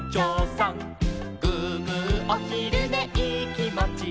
「グーグーおひるねいいきもち」